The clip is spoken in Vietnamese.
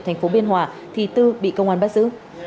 tp biên hòa thì tư bị công an bắt giữ